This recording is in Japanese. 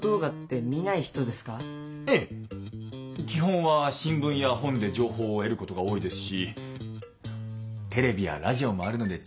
ええ基本は新聞や本で情報を得ることが多いですしテレビやラジオもあるので十分です。